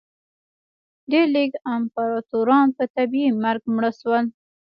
ډېر لږ امپراتوران په طبیعي مرګ مړه شول